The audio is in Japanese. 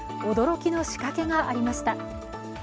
驚きの仕掛けがありました。